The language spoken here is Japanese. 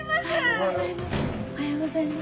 おはようございます！